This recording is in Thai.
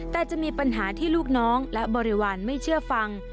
แต่จะมีปัญหาที่ลูกน้องและบริวารไม่เชื่อฟัง